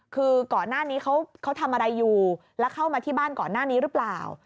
คือก่อนหน้านี้เขาทำอะไรอยู่แล้วเข้ามาที่บ้านก่อนหน้านี้หรือเปล่า